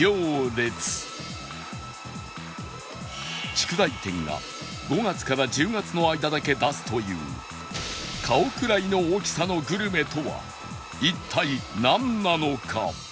竹材店が５月から１０月の間だけ出すという顔くらいの大きさのグルメとは一体なんのか？